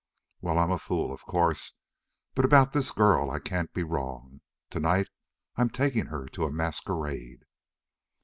Well, I'm a fool, of course, but about this girl I can't be wrong. Tonight I'm taking her to a masquerade."